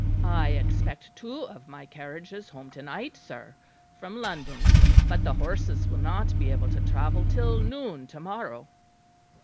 I expect two of my carriages home to night, sir, from London; but the horses will not be able to travel till noon to morrow."